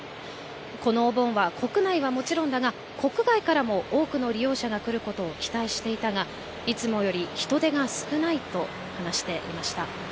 このお盆は国内はもちろんだが国外からも多くの利用者が来ることを期待していたがいつもより人出が少ないと話していました。